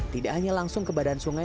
tidak hanya langsung ke badan sungai